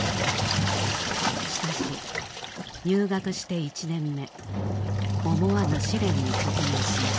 しかし入学して１年目思わぬ試練に直面します。